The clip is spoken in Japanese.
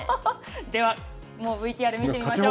では、もうＶＴＲ見てみましょう。